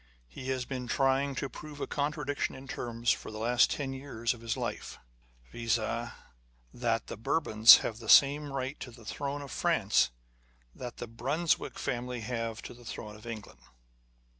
He has been trying to prove a contradiction in terms for the last ten years of his life, viz., that the Bourbons have the same right to the throne of France that the Brunswick family have to the throne of England.